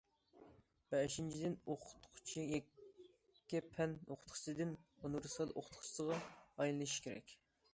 بەشىنچىدىن، ئوقۇتقۇچى يەككە پەن ئوقۇتقۇچىسىدىن ئۇنىۋېرسال ئوقۇتقۇچىغا ئايلىنىشى كېرەك.